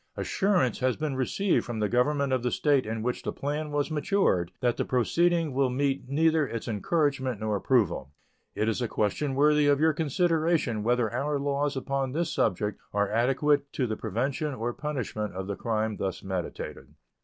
Assurance has been received from the Government of the State in which the plan was matured that the proceeding will meet neither its encouragement nor approval. It is a question worthy of your consideration whether our laws upon this subject are adequate to the prevention or punishment of the crime thus meditated.